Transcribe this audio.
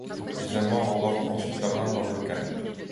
Les Allemands rapportent ensuite leurs armes dans le local.